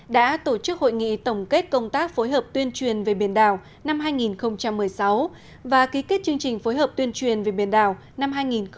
đã tổ chức hội nghị tổng kết công tác phối hợp tuyên truyền về biển đảo năm hai nghìn một mươi sáu và ký kết chương trình phối hợp tuyên truyền về biển đảo năm hai nghìn một mươi chín